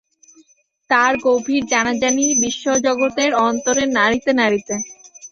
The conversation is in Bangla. তার গভীর জানাজানি বিশ্বজগতের অন্তরের নাড়িতে নাড়িতে।